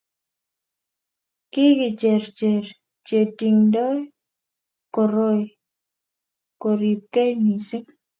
kikicher cher che tingdoi koroi koribgei mising